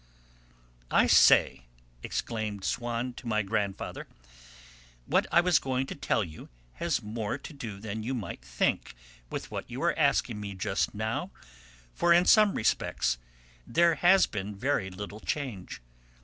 "I say!" exclaimed Swann to my grandfather, "what I was going to tell you has more to do than you might think with what you were asking me just now, for in some respects there has been very little change.